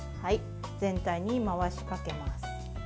全体に回しかけます。